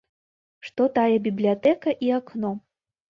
Што такая бібліятэка і акно.